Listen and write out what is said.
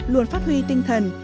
luôn phát huy tinh thần